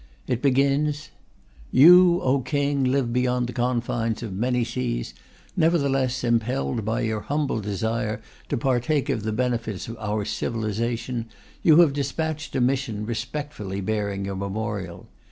It begins: You, O King, live beyond the confines of many seas, nevertheless, impelled by your humble desire to partake of the benefits of our civilization, you have despatched a mission respectfully bearing your memorial....